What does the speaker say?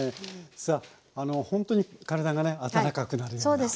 さあほんとに体がね温かくなるようなそんなお料理。